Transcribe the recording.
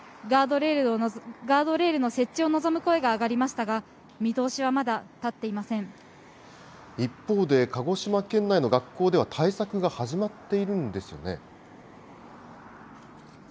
ガードレールの設置を望む声が上がりましたが、見通しはまだ立っ一方で、鹿児島県内の学校では対策が始まっているんですよね。